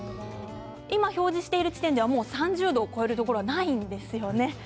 今、表示している地点ではもう３０度を超えるところはないんですよね。